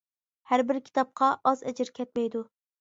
ھەر بىر كىتابقا ئاز ئەجىر كەتمەيدۇ.